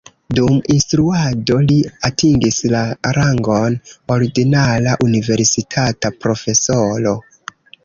Dum instruado li atingis la rangon ordinara universitata profesoro.